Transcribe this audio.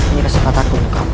ini kesempatanku bukamu